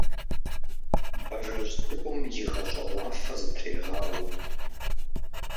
Бажэжь цӀыкӀум игъэщӀэгъуафэ зытрегъауэ.